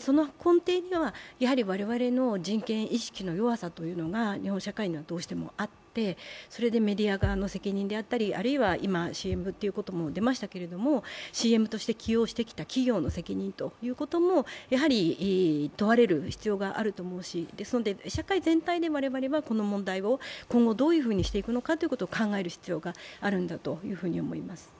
その根底には、やはり我々の人権意識の弱さというものが日本社会にはどうしてもあって、それでメディア側の責任であったり、今、ＣＭということが出ましたけれどもＣＭとして起用してきた企業の責任もやはり問われる必要があると思うし、社会全体で我々はこの問題を今後どうしていくかということを考える必要があるんだと思います。